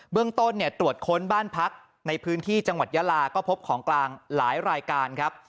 เรื่องต้นตรวจค้นบ้านพักในพื้นที่จังหวัดยาลาก็พบของกลางหลายรายการครับ